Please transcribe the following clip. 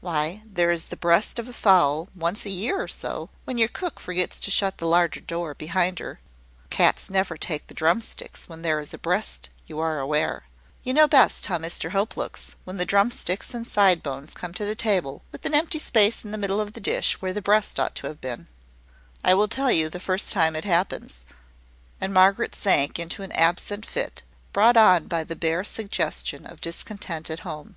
"Why, there is the breast of a fowl, once a year or so, when your cook forgets to shut the larder door behind her. Cats never take the drumsticks when there is a breast, you are aware. You know best how Mr Hope looks, when the drumsticks and side bones come to table, with an empty space in the middle of the dish where the breast ought to have been." "I will tell you, the first time it happens." And Margaret sank into an absent fit, brought on by the bare suggestion of discontent at home.